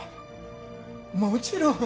もちろん。